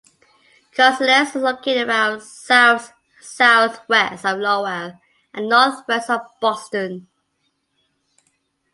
Carlisle is located about south-southwest of Lowell and northwest of Boston.